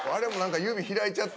指開いちゃった。